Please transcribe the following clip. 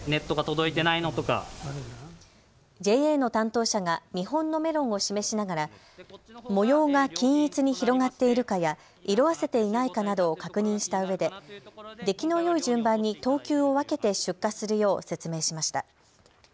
ＪＡの担当者が見本のメロンを示しながら模様が均一に広がっているかや色あせていないかなどを確認したうえで、出来のよい順番に等級を分けて出荷するよう説明しました。